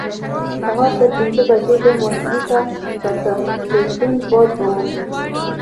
سهار پر پنځه بجې به مارسیلي ته راته، چې توند باد به وو.